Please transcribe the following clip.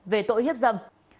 về tội hiếp dâm